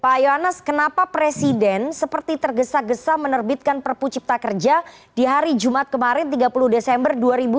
pak yonas kenapa presiden seperti tergesa gesa menerbitkan perpu cipta kerja di hari jumat kemarin tiga puluh desember dua ribu dua puluh